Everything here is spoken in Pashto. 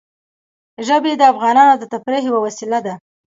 ژبې د افغانانو د تفریح یوه وسیله ده.